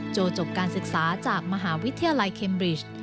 โจ้ค็อกซ์จบการศึกษาจากมหาวิทยาลัยเคมบริจน์